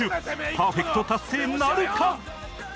パーフェクト達成なるか？